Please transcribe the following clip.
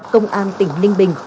công an tỉnh ninh bình